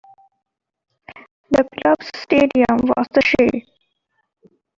The club's stadium was The Shay.